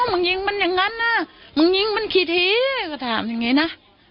มึงยิงมันอย่างนั้นนะมึงยิงมันกี่ทีก็ถามอย่างนี้นะ